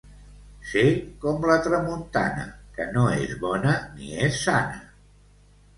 Ser com la tramuntana, que no és bona ni és sana.